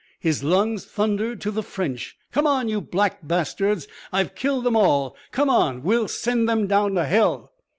His lungs thundered to the French. "Come on, you black bastards. I've killed them all. Come on. We'll send them down to hell."